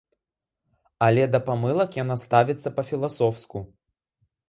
Але да памылак яна ставіцца па-філасофску.